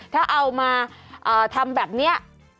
ถ้าเอามาทำแบบนี้